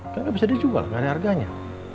kan gak bisa dijual gak ada harganya